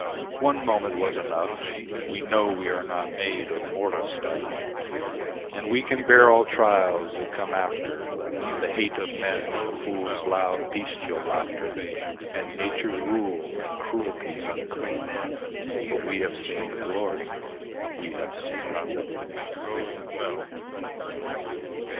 One moment was enough, We know we are not made of mortal stuff. And we can bear all trials that come after, The hate of men and the fool's loud bestial laughter And Nature's rule and cruelties unclean, For we have seen the Glory we have seen.